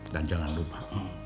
dan jangan lupa